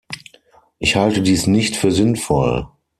Ich halte dies nicht für sinnvoll.